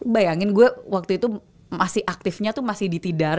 bayangin gue waktu itu masih aktifnya tuh masih ditidar